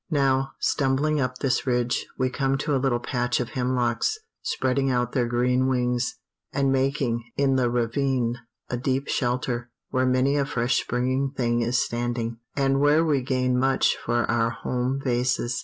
Now, stumbling up this ridge, we come to a little patch of hemlocks, spreading out their green wings, and making, in the ravine, a deep shelter, where many a fresh springing thing is standing, and where we gain much for our home vases.